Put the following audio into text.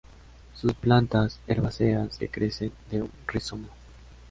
Son plantas herbáceas que crecen de un rizoma.